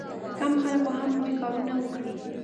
کم خلک به هم لوی کارونه وکړي.